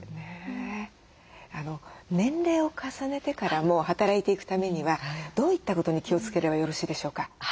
年齢を重ねてからも働いていくためにはどういったことに気をつければよろしいでしょうか？